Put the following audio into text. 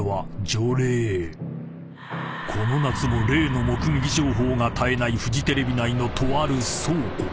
［この夏も霊の目撃情報が絶えないフジテレビ内のとある倉庫］